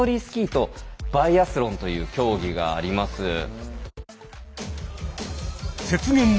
スキーとバイアスロンという競技があります。